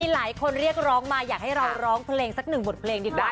หลายคนเรียกร้องมาอยากให้เราร้องเพลงสักหนึ่งบทเพลงดีกว่า